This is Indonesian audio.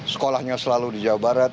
sekolahnya selalu di jawa barat